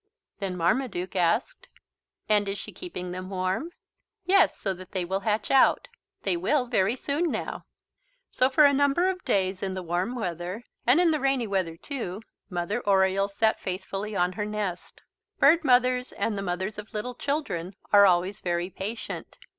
Then Marmaduke asked: "And is she keeping them warm?" "Yes, so that they will hatch out. They will, very soon now." So for a number of days in the warm weather, and in the rainy weather too, Mother Oriole sat faithfully on her nest. Bird mothers and the mothers of little children are always very patient.